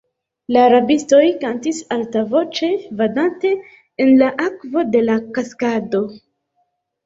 La rabistoj kantis altavoĉe, vadante en la akvo de la kaskado.